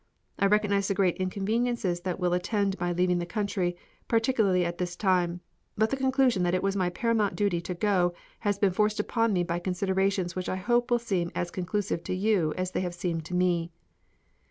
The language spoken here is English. I realize the great inconveniences that will attend my leaving the country, particularly at this time, but the conclusion that it was my paramount duty to go has been forced upon me by considerations which I hope will seem as conclusive to you as they have seemed to me.